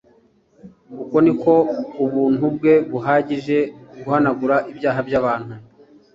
Uko niko ubuntu bwe buhagije guhanagura ibyaha by'abantu,